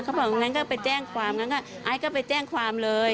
เขาบอกงั้นก็ไปแจ้งความงั้นไอ้ก็ไปแจ้งความเลย